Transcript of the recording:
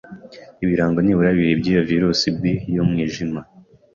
ibirango nibura bibiri by’iyo Virus B y’umwijima.